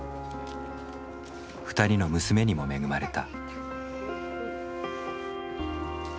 ２人の娘にも恵まれた。